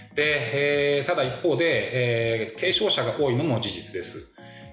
ただ一方で軽症者が多いのも事実です。